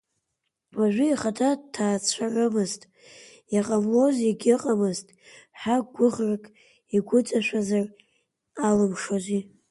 Уажәы ихаҭа дҭаацәарамызт, иҟамлоз егьыҟамызт ҳәа гәыӷрак игәыҵашәазар алымшози.